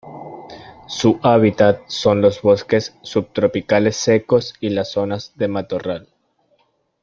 Su hábitat son los bosques subtropicales secos y las zonas de matorral.